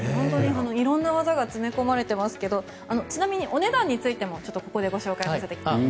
いろんな技が詰め込まれていますがちなみにお値段についてもご紹介します。